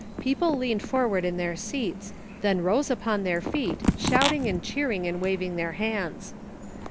People leaned forward in their seats, then rose upon their feet, shouting and cheering and waving their hands.